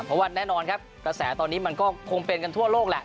เพราะว่าแน่นอนครับกระแสตอนนี้มันก็คงเป็นกันทั่วโลกแหละ